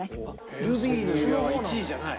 『ルビーの指環』は１位じゃない。